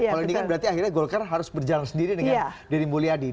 kalau ini kan berarti akhirnya golkar harus berjalan sendiri dengan deddy mulyadi